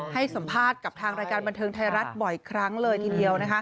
ให้สัมภาษณ์กับทางรายการบันเทิงไทยรัฐบ่อยครั้งเลยทีเดียว